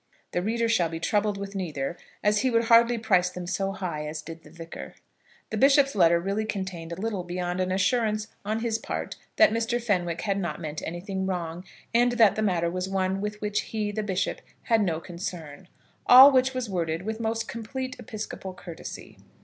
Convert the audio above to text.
The reader shall be troubled with neither, as he would hardly price them so high as did the Vicar. The bishop's letter really contained little beyond an assurance on his part that Mr. Fenwick had not meant anything wrong, and that the matter was one with which he, the bishop, had no concern; all which was worded with most complete episcopal courtesy.